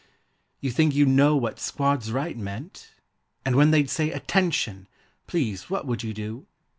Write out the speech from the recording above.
You think you'd know what "squads right" meant? And when they'd say "Attention!" Please What would you do?